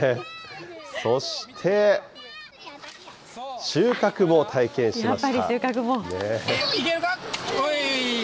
そして、収穫も体験しました。